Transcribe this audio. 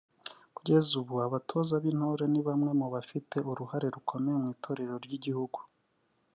Kugeza ubu abatoza b’intore ni bamwe mu bafite uruhare rukomeye mu itorero ry’igihugu